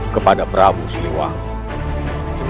kepada prabu siliwangi